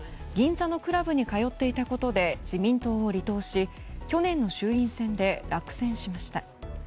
銀座のクラブに通っていたことで自民党を離党し去年の衆院選で落選しました。